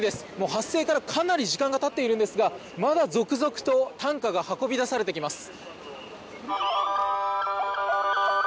発生からかなり時間がたっているんですがまだ続々と担架が運び出されてきます。